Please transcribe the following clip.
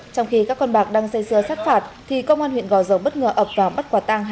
trong khi các con bạc đang xây dơ sát phạt thì công an huyện gò dầu bất ngờ ập vào bắt quả tăng